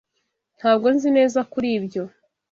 Ntabwo nzi neza kuri ibyo